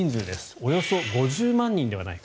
およそ５０万人ではないか。